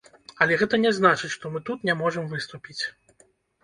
Але гэта не значыць, што мы тут не можам выступіць.